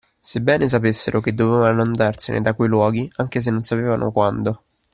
Sebbene sapessero che dovevano andarsene da quei luoghi, anche se non sapevano quando.